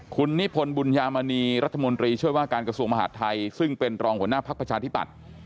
คุณนิพนธ์บุญญามณีรัฐมนตรีช่วยว่าการกระทรวงมหาดไทยซึ่งเป็นรองหัวหน้าภักดิ์ประชาธิบัติ